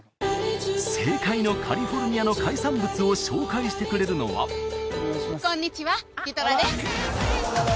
正解のカリフォルニアの海産物を紹介してくれるのはこんにちはディドラです